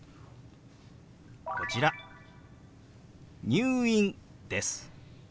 「入院」です。